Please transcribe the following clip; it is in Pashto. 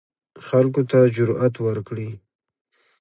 خلکو ته جرئت ورکړي